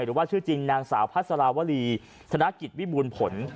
หรือว่าชื่อจริงนางสาวพัสราวรีธนกิจวิบูรณ์ผล